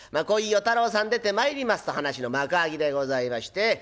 こういう与太郎さん出てまいりますと噺の幕開きでございまして。